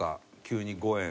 急に５円。